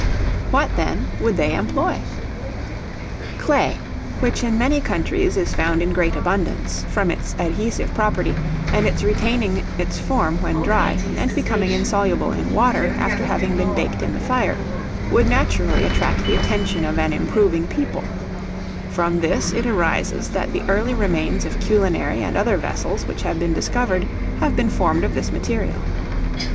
What, then, would they employ? Clay, which in many countries is found in great abundance, from its adhesive property, and its retaining its form when dry, and becoming insoluble in water after having been baked in the fire, would naturally attract the attention of an improving people: from this it arises that the early remains of culinary and other vessels which have been discovered have been formed of this material.